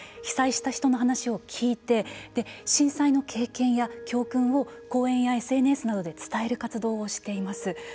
被災した人の話を聞いて震災の経験や教訓を講演やＳＮＳなどで伝える活動をしています。